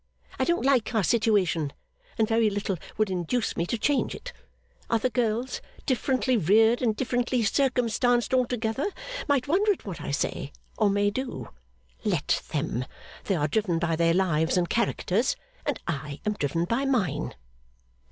I don't like our situation, and very little would induce me to change it. Other girls, differently reared and differently circumstanced altogether, might wonder at what I say or may do. Let them. They are driven by their lives and characters; I am driven by mine.